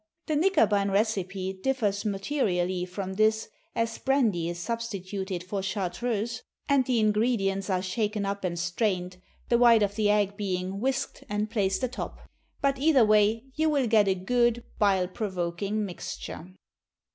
The "knickerbein" recipe differs materially from this, as brandy is substituted for chartreuse, and the ingredients are shaken up and strained, the white of the egg being whisked and placed atop. But, either way, you will get a good, bile provoking mixture.